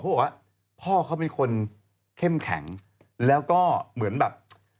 เพราะว่าพ่อเขามีคนเข้มแข็งแล้วก็เหมือนแบบ